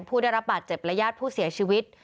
ผู้ได้รับบาดเจ็บและญาติผู้เสียชีวิต